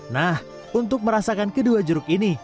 nah untuk merasakan kedua jeruk ini